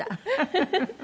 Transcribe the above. フフフ！